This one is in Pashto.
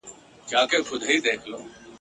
د جنګ خبري خوږې وي خو ساعت یې تریخ وي ..